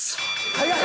［早い！］